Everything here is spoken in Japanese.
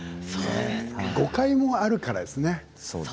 誤解もあるからですよね。